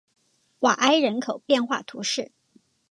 瓦埃人口变化图示